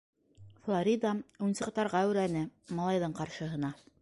Флорида уйынсыҡтарға әүрәне, малайҙың ҡаршыһына